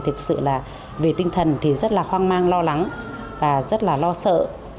thực sự là về tinh thần thì rất là hoang mang lo lắng và rất là lo sợ